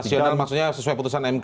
rasional maksudnya sesuai putusan mk